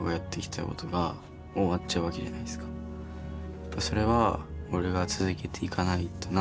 やっぱそれは俺が続けていかないとなって思ってます。